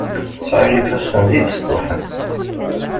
Sεiɣ ifassen d ibestuḥen.